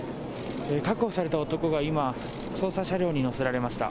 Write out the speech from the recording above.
確保された男が今、捜査車両に乗せられました。